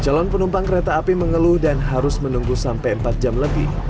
calon penumpang kereta api mengeluh dan harus menunggu sampai empat jam lebih